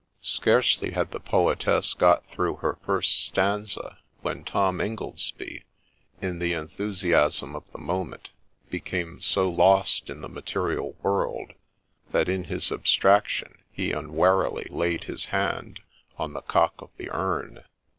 Scarcely had the poetess got through her first stanza when Tom Ingoldsby, hi the en thusiasm of the moment, became so lost in the material world, that, in his abstraction, he unwarily laid his hand on the cock of the urn.